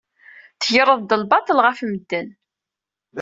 Tegreḍ-d lbaṭel ɣef medden.